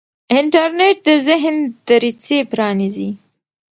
انټرنیټ د ذهن دریڅې پرانیزي.